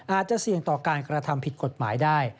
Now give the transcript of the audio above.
อาจจะเสี่ยงต่อการกระทำผิดกฎหมายได้